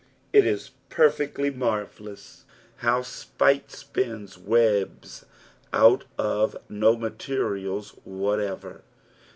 It is perfectly marvellous how spite spins webs out of no materials whatever.